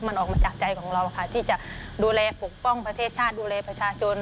มันออกมาจากใจของเราค่ะที่จะดูแลปกป้องประเทศชาติดูแลประชาชน